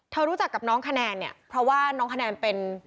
รู้จักกับน้องคะแนนเนี่ยเพราะว่าน้องคะแนนเป็น